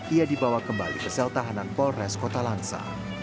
ia dibawa kembali ke sel tahanan polres kota langsa